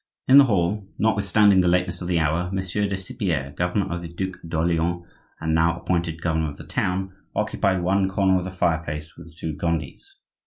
In the hall, notwithstanding the lateness of the hour, Monsieur de Cypierre, governor of the Duc d'Orleans and now appointed governor of the town, occupied one corner of the fireplace with the two Gondis.